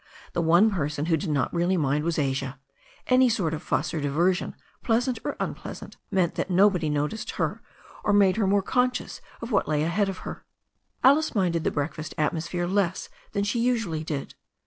The one person who •did not really mind was Asia. Any sort of fuss or diver sion, pleasant or unpleasant, meant that nobody noticed her, or made her more conscious of what lay ahead of her. Alice minded the breakfast atmosphere less than she usually did.